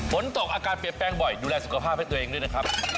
ฝนตกอาการเปลี่ยนแปลงบ่อยดูแลสุขภาพให้ตัวเองด้วยนะครับ